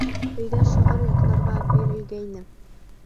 Өйгә шиғыр ятларға бирелгәйне.